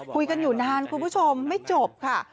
คุยกันอยู่นานคุณผู้ชมไม่จบค่ะ